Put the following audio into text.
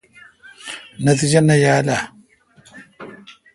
نتجہ نہ یال اؘ۔